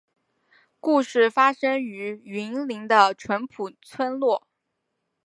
故事发生于云林的纯朴村落